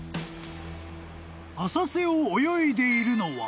［浅瀬を泳いでいるのは］